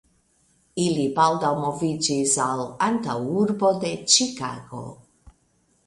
Ili baldaŭ moviĝis al antaŭurbo de Ĉikago.